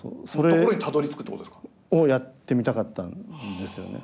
ところにたどりつくってことですか？をやってみたかったんですよね。